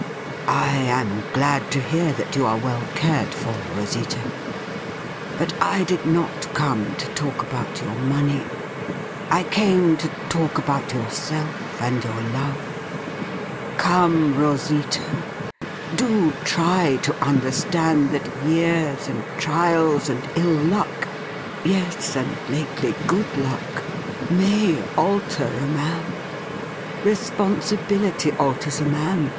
I am glad to hear that you are well cared for, Rosita ; but I did not come to talk about your money. I came to talk about yourself and your love. Come, Rosita, do try to understand that years and trials and ill luck — yes, and lately good luck — may alter a man ! Responsibility alters a man.